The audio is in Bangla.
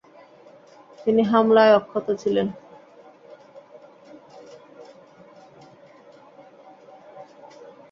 তিনি হামলায় অক্ষত ছিলেন।